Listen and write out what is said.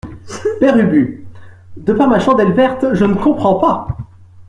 Père Ubu De par ma chandelle verte, je ne comprends pas.